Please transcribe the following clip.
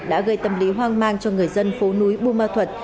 đã gây tâm lý hoang mang cho người dân phố núi bù ma thuật